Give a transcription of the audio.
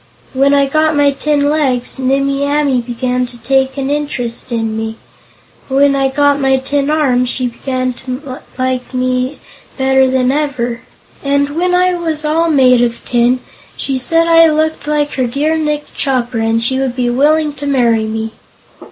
When I got my tin legs, Nimmie Amee began to take an interest in me; when I got my tin arms, she began to like me better than ever, and when I was all made of tin, she said I looked like her dear Nick Chopper and she would be willing to marry me.